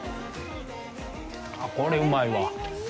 あっ、これ、うまいわ！